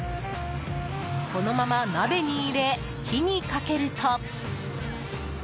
このまま鍋に入れ火にかけると。